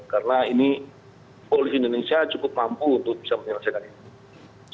karena ini polisi indonesia cukup mampu untuk bisa menyelesaikan ini